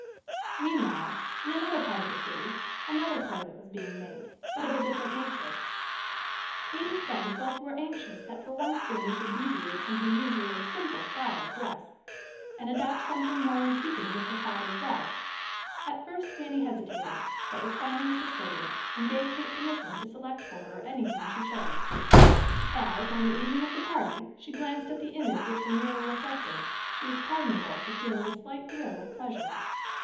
Meanwhile in another part of the city, another toilet was being made, but of a different nature. Kate and Frank both were anxious that for once Fanny should deviate from her usually simple style of dress, and adopt something more in keeping with her father's wealth. At first Fanny hesitated, but was finally persuaded, and gave Kate permission to select for her anything she chose. As, on the evening of the party, she glanced at the image which her mirror reflected, she was pardonable for feeling a slight thrill of pleasure.